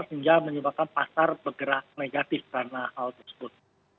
hingga menyebabkan pasar bergerak negatif karena hal tersebut